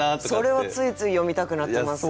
それはついつい詠みたくなってますね。